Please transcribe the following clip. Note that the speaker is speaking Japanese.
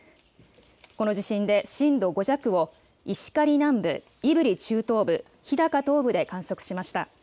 この地震で震度５弱を石狩南部、胆振中東部、日高東部で観測しました。